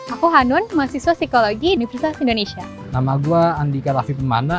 aku hanun mahasiswa psikologi di prinsip indonesia nama gua andika rafi pemana